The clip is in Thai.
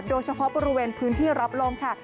โดยเฉพาะบริเวณพื้นที่รับลมค่ะ